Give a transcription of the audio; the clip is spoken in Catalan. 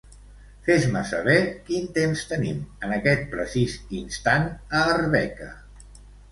Fes-me saber quin temps tenim en aquest precís instant a Arbeca.